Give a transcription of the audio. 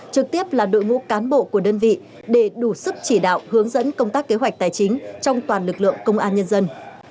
trực tiếp là đội ngũ cán bộ của đơn vị để đủ sức chỉ đạo hướng dẫn công tác kế hoạch tài chính trong toàn lực lượng công an nhân dân